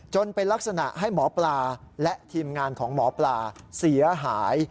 เป็นลักษณะให้หมอปลาและทีมงานของหมอปลาเสียหาย